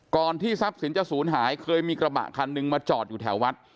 ก่อนที่ทรัพย์ศิลป์จะสูญหายเคยมีกระบะคันหนึ่งมาจอดอยู่แถววัด